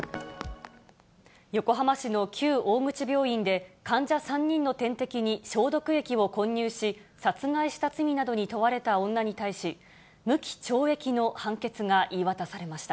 横浜市の旧大口病院で、患者３人の点滴に消毒液を混入し、殺害した罪などに問われた女に対し、無期懲役の判決が言い渡されました。